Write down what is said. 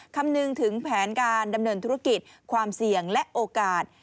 คำนึงถึงแผนการดำเนินธุรกิจความเสี่ยงและโอกาส